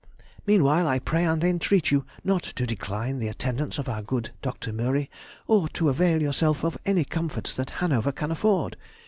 Meanwhile, I pray and entreat you not to decline the attendance of our good Dr. Mühry, or to avail yourself of any comforts that Hanover can afford.